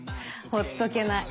ほっとけない。